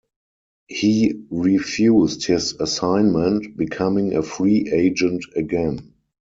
He refused his assignment, becoming a free agent again.